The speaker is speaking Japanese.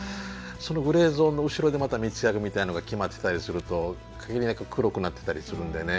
そのグレーゾーンの後ろでまた密約みたいなのが決まってたりすると限りなく黒くなってたりするんでね